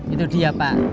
itu dia pak